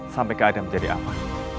sampai keadaan menjadi aman